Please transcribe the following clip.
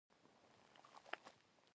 پلاستیک چاپیریال ته څه زیان رسوي؟